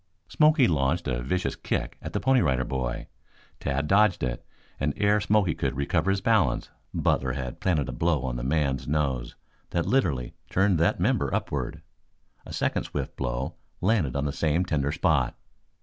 Smoky launched a vicious kick at the Pony Rider Boy. Tad dodged it, and ere Smoky could recover his balance Butler had planted a blow on the man's nose that literally turned that member upward. A second swift blow landed on the same tender spot.